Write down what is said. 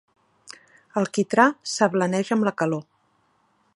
El quitrà s'ablaneix amb la calor.